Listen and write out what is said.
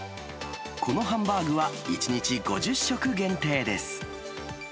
このハンバーグは、１日５０食限定です。